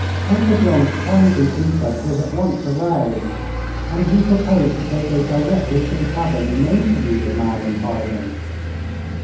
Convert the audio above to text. Uncle John's kindly interest was at once aroused, and he proposed that they go directly to the cabin and interview the man in hiding.